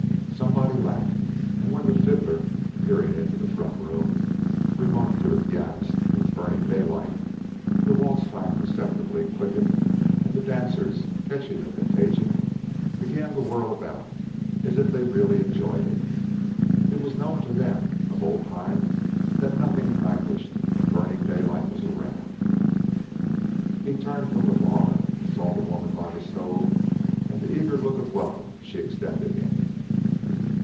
Somebody laughed. And when the fiddler, peering into the front room, remarked to the pianist, "It's Burning Daylight," the waltz time perceptibly quickened, and the dancers, catching the contagion, began to whirl about as if they really enjoyed it. It was known to them of old time that nothing languished when Burning Daylight was around. He turned from the bar and saw the woman by the stove and the eager look of welcome she extended him.